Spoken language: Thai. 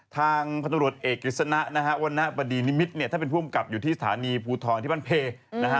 ทางพันธรรมรวชเอกฤษณะวรรณปฏินิมิตถ้าเป็นผู้อำกับอยู่ที่สถานีภูทธรณ์ที่บ้านเพลย์